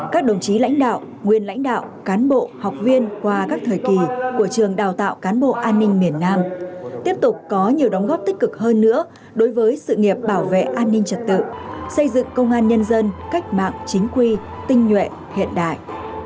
các đồng chí lãnh đạo nguyên lãnh đạo cán bộ học viên qua các thời kỳ của trường đào tạo cán bộ an ninh miền nam tiếp tục có nhiều đóng góp tích cực hơn nữa đối với sự nghiệp bảo vệ an ninh trật tự xây dựng công an nhân dân cách mạng chính quy tinh nhuệ hiện đại